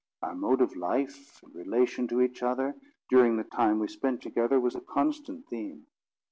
Our mode of life, and relation to each other, during the time we spent together, was a constant theme.